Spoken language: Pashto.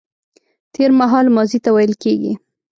تېرمهال ماضي ته ويل کيږي